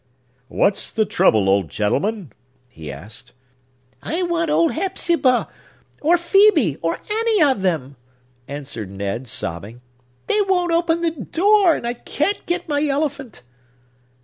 "What's the trouble, old gentleman?" he asked. "I want old Hepzibah, or Phœbe, or any of them!" answered Ned, sobbing. "They won't open the door; and I can't get my elephant!"